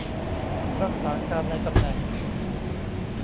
รักษาการในตำแหน่ง